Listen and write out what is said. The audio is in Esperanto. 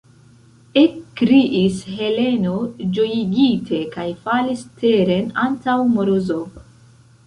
ekkriis Heleno ĝojigite kaj falis teren antaŭ Morozov.